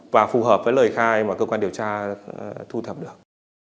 và phù hợp với lời khai mà cơ quan điều tra thu thập được